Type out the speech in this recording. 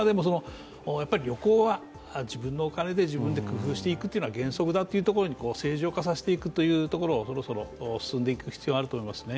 やはり旅行は自分のお金で自分で工夫して行くというのが原則だというところに正常化していくところにそろそろ進んでいく必要があると思いますね。